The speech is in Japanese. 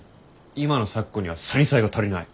今の咲子にはサニサイが足りない。